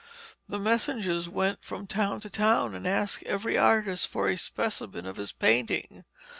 The messengers went from town to town and asked every artist for a specimen of his painting.